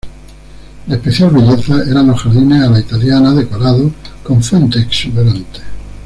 De especial belleza eran los jardines a la italiana decorados con fuentes exuberantes.